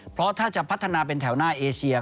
เพราะถ้าจะพัฒนาเป็นแถวหน้าเอเชีย